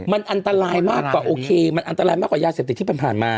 มันอันตรายมากกว่าโอเคมันอันตรายมากกว่ายาเสพติดที่ผ่านมา